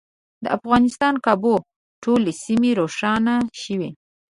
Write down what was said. د افغانستان کابو ټولې سیمې روښانه شوې.